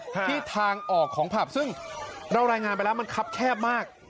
ที่ทางออกของผับซึ่งเรารายงานไปแล้วมันครับแคบมาก